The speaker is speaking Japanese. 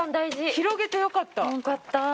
広げてよかった。